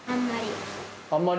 あんまり。